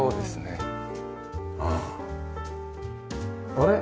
あれ？